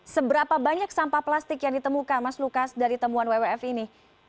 seberapa banyak sampah plastik yang ditemukan mas lukas dari temuan wwf ini